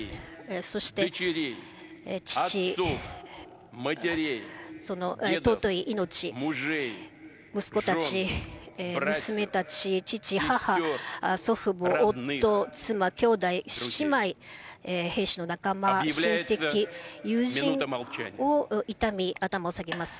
そして父、尊い命、息子たち、娘たち、父、母、祖父母、夫、妻、兄弟、姉妹、兵士の仲間、親戚、友人を悼み、頭を下げます。